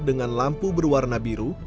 dengan lampu berwarna biru